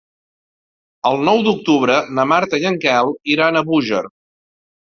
El nou d'octubre na Marta i en Quel iran a Búger.